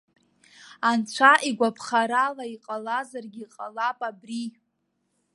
Анцәа игәаԥхарала иҟалазаргьы ҟалап абри.